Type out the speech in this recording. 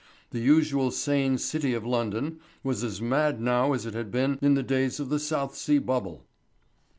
The usually sane City of London was as mad now as it had been in the days of the South Sea Bubble.